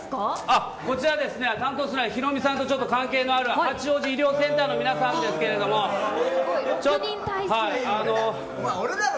あっ、こちらですね、担当するのは、ヒロミさんのちょっと関係のある八王子医療センターの皆さんですけれども。俺なの？